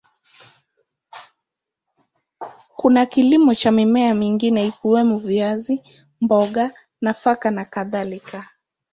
Kuna kilimo cha mimea mingine ikiwemo viazi, mboga, nafaka na kadhalika.